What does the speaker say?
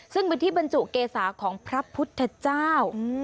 ซึ่งเป็นที่บรรจุเกษาของพระพุทธเจ้า